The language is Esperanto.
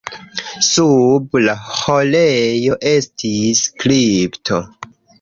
Sub la ĥorejo estis kripto.